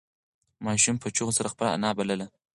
ماشوم په چیغو سره خپله انا بلله.